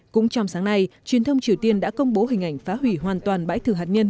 cũng trong sáng nay truyền thông triều tiên đã công bố hình ảnh phá hủy hoàn toàn bãi thử hạt nhân